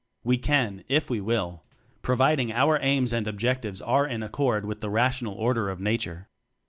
We can if we will providing our aims and objectives are in accord with the Rational Order of Nature.